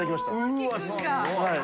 うわすごい。